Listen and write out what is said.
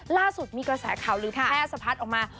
ล่าสุดมีกระแสข่าวลือแพร่สะพัดออกมา